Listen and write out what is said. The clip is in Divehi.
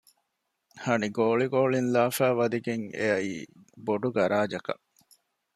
ހަނި ގޯޅި ގޯޅިން ލާފައި ވަދެގެން އެއައީ ބޮޑު ގަރާޖަކަށް